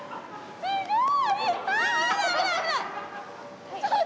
すごい！